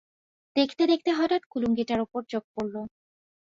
দেখতে দেখতে হঠাৎ কুলুঙ্গিটার উপর চোখ পড়ল।